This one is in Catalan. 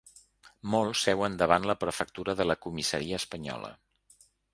Molts seuen davant la prefectura de la comissaria espanyola.